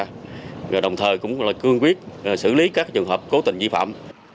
rồi đồng thời cũng cương quyết xử lý các trường hợp cố tình vi phạm